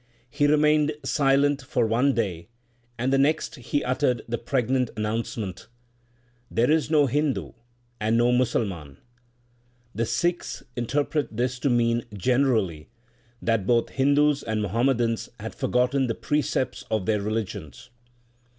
He remained silent for one day, and the next he uttered the pregnant announcement, There is no Hindu and no Musalman. The Sikhs interpret this to mean generally that both Hindus and Muham madans had forgotten the precepts of their religions.